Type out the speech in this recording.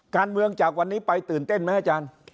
การเมืองจากวันนี้ไปตื่นเต้นไหมอาจารย์